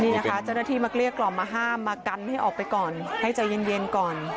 นี่นะคะเจ้าหน้าที่มาเกลี้ยกล่อมมาห้ามมากันให้ออกไปก่อนให้ใจเย็นก่อน